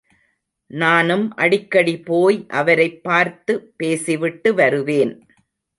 நானும் அடிக்கடிபோய் அவரைப் பார்த்துபேசிவிட்டு வருவேன்.